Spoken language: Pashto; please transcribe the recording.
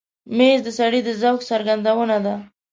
مېز د سړي د ذوق څرګندونه ده.